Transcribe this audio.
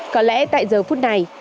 có lẽ tại giờ phút này